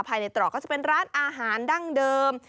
ภายในตรอกก็จะเป็นร้านอาหารดั้งเดิม